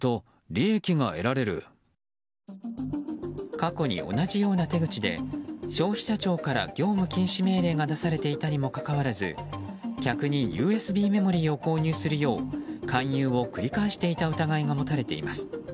過去に同じような手口で消費者庁から業務禁止命令が出されていたにもかかわらず客にＵＳＢメモリーを購入するよう勧誘を繰り返していた疑いが持たれています。